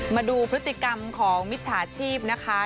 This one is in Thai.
มาดูพฤติกรรมของมิจฉาชีพนะคะ